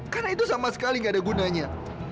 karena itu sama sekali gak ada gunanya